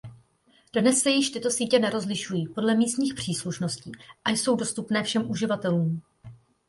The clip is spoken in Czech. Dnes se již tyto sítě nerozlišují podle místní příslušnosti a jsou dostupné všem uživatelům.